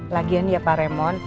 lagian ya pak remo